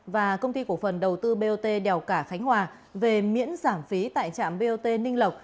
và công ty cổ phần đầu tư bot đèo cả khánh hòa về miễn giảm phí tại trạm bot ninh lộc